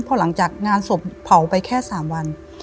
พอหลังจากงานศพเผาไปแค่๓วัน